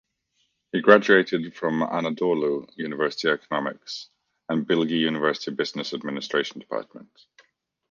He graduated from Anadolu University Economics and Bilgi University Business Administration Department.